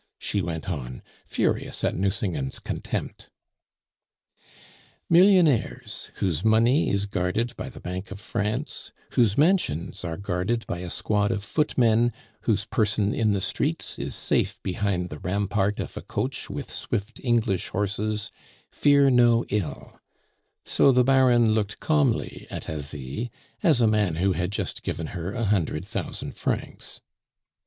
she went on, furious at Nucingen's contempt. Millionaires, whose money is guarded by the Bank of France, whose mansions are guarded by a squad of footmen, whose person in the streets is safe behind the rampart of a coach with swift English horses, fear no ill; so the Baron looked calmly at Asie, as a man who had just given her a hundred thousand francs.